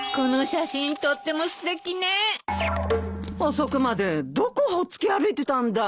遅くまでどこほっつき歩いてたんだい？